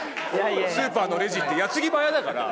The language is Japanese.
スーパーのレジって矢継ぎ早だから。